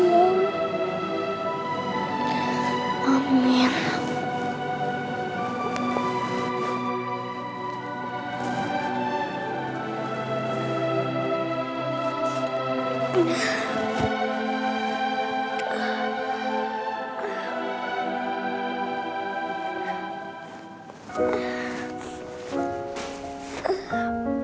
tolong kaburkan doa aku